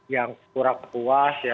yang kurang puas ya